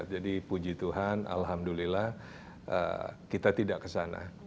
jadi puji tuhan alhamdulillah kita tidak kesana